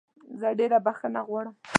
زه ډېره بخښنه غواړم.